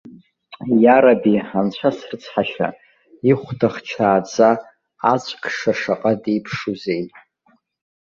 Иараби, анцәа срыцҳашьа, ихәда хчааӡа, ацә кша шаҟа деиԥшузеи!